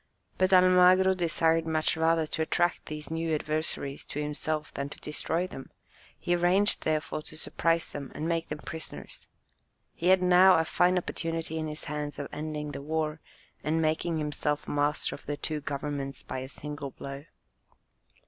But Almagro desired much rather to attract these new adversaries to himself than to destroy them; he arranged therefore, to surprise them and make them prisoners. He had now a fine opportunity in his hands of ending the war, and making himself master of the two governments by a single blow.